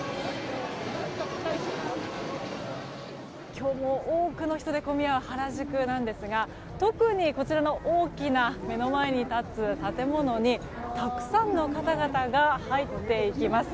今日も多くの人で混み合う原宿なんですが特に、こちらの大きな目の前に立つ建物にたくさんの方々が入っていきます。